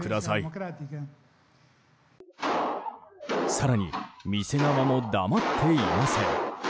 更に、店側も黙っていません。